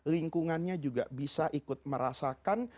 lingkungannya juga bisa ikut merasakan